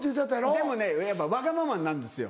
でもねやっぱわがままになるんですよ。